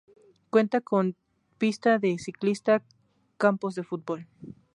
Cuenta con pista de ciclista, campos de fútbol.